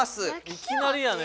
いきなりやね。